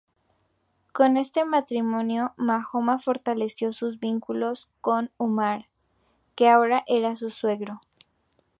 Con este matrimonio Mahoma fortaleció sus vínculos con Umar, que ahora era su suegro.